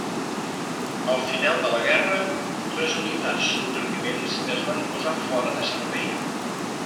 Al final de la guerra les unitats supervivents es van posar fora de servei.